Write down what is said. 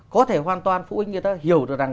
có thể hoàn toàn phụ huynh người ta hiểu được rằng